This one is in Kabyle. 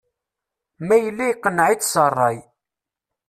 Ma yella iqneɛ-itt s rray.